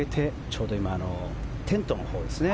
ちょうど今、テントのほうですね。